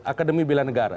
akademi bila negara